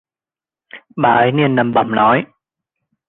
bà ấy liền lẩm bẩm nói